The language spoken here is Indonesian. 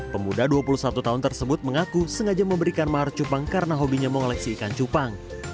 pemuda dua puluh satu tahun tersebut mengaku sengaja memberikan mahar cupang karena hobinya mengoleksi ikan cupang